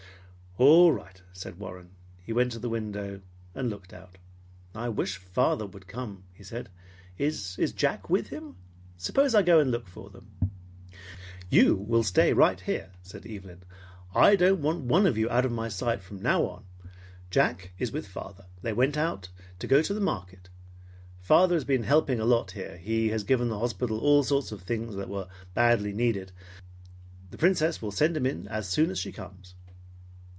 "All right," said Warren. He went to the window and looked out. "I wish father would come," he said. "Is Jack with him? Suppose I go and look for them?" "You will stay right here," said Evelyn. "I don't want one of you out of my sight from now on. Jack is with father. They went out to go to the market. Father has been helping a lot here. He has given the hospital all sorts of things that were badly needed. The Princess will send him in as soon as she comes.